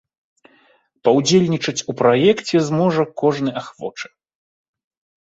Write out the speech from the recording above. Паўдзельнічаць у праекце зможа кожны ахвочы.